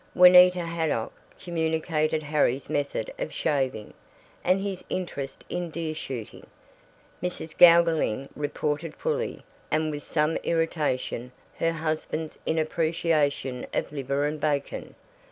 Juanita Haydock communicated Harry's method of shaving, and his interest in deer shooting. Mrs. Gougerling reported fully, and with some irritation, her husband's inappreciation of liver and bacon.